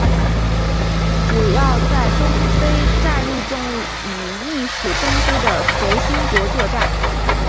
主要在东非战役中与意属东非的轴心国作战。